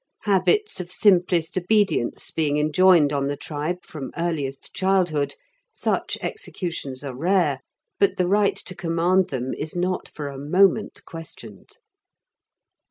Habits of simplest obedience being enjoined on the tribe from earliest childhood, such executions are rare, but the right to command them is not for a moment questioned.